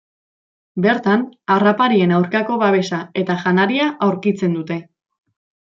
Bertan, harraparien aurkako babesa eta janaria aurkitzen dute.